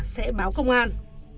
thì bắt cóc cao mỹ duyên